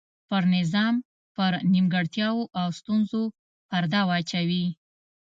پر نظام پر نیمګړتیاوو او ستونزو پرده واچوي.